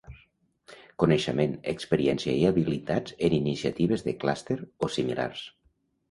Coneixement, experiència i habilitats en iniciatives de clúster o similars.